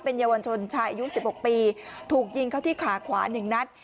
เป็นเยาวัญชนชายอายุ๑๖ปีถูกยิงเขาที่ขาขวาหนึ่งนัด